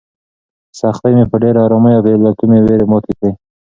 سختۍ مې په ډېرې ارامۍ او بې له کومې وېرې ماتې کړې.